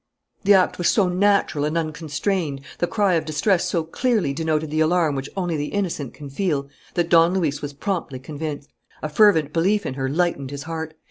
The action was so natural and unconstrained, the cry of distress so clearly denoted the alarm which only the innocent can feel, that Don Luis was promptly convinced. A fervent belief in her lightened his heart.